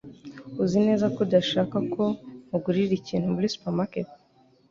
Uzi neza ko udashaka ko nkugurira ikintu muri supermarket?